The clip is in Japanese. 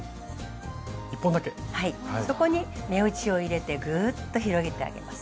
そこに目打ちを入れてグッと広げてあげます。